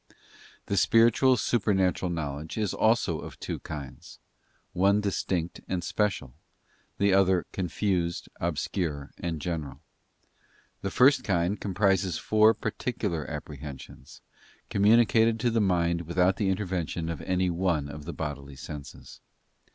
The spiritual supernatural knowledge is also of two kinds; one distinct and special; the other confused, obscure, and general. The first kind comprises four particular apprehensions, com municated to the mind without the intervention of any one of the bodily senses.